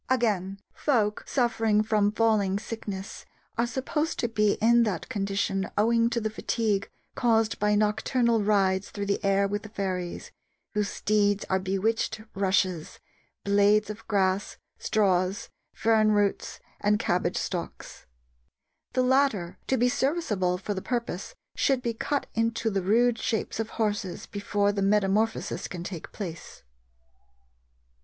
Again, folk suffering from falling sickness are supposed to be in that condition owing to the fatigue caused by nocturnal rides through the air with the fairies, whose steeds are bewitched rushes, blades of grass, straws, fern roots, and cabbage stalks. The latter, to be serviceable for the purpose, should be cut into the rude shapes of horses before the metamorphosis can take place.